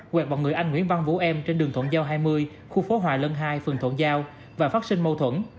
quẹt vào người anh nguyễn văn vũ em trên đường thuận giao hai mươi khu phố hòa lân hai phường thuận giao và phát sinh mâu thuẫn